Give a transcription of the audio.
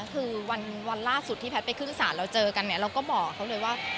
คือวันล่าสุดที่แพทย์ไปขึ้นศาลเราเจอกันเนี่ยเราก็บอกเขาเลยว่า